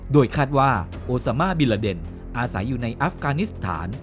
โดยคาดว่าโอซามาบิลาเดนอาศัยอยู่ในอัฟกานิสถาน